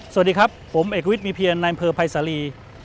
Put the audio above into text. สวัสดีครับผมเอกวิทย์มีเพียรนายอำเภอภัยสาลี